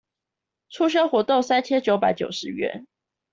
促銷活動三千九百九十元